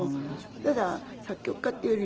ただ作曲家っていうより。